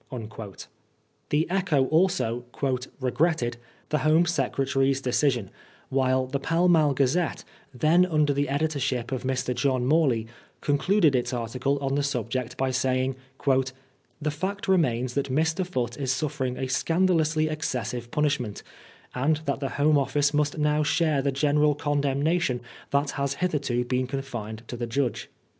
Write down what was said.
The Echo also " regretted " the Home Secretary's de cision, while the Pall Mall Gazette, then under the editorship of Mr. John Morley, concluded its article on the subject by saying, " The fact remains that Mr. Foote is suffering a scandalously excessive punishment, and that the Home Office must now share the general condemnation that has hitherto been confined to the judge."